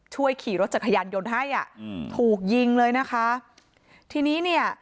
ช่วยขี่รถจักรยานยนต์ให้อ่ะอืมถูกยิงเลยนะคะทีนี้เนี่ย